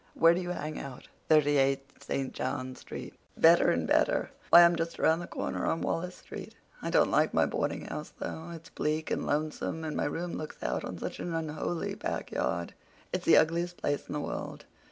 Where do you hang out?" "Thirty eight St. John's Street." "Better and better. Why, I'm just around the corner on Wallace Street. I don't like my boardinghouse, though. It's bleak and lonesome, and my room looks out on such an unholy back yard. It's the ugliest place in the world.